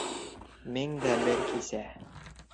МЕҢ ДӘ БЕР КИСӘ